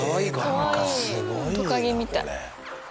トカゲみたい。